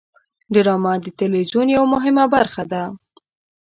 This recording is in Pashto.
ډرامه د تلویزیون یوه مهمه برخه ده